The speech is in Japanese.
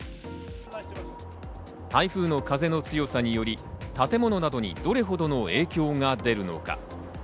台風の風の強さにより、建物などにどれほどの影響が出るのか。